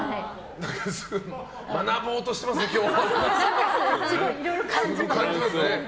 学ぼうとしてますね、今日。